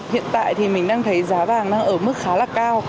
hiện tại thì mình đang thấy giá vàng đang ở mức khá là cao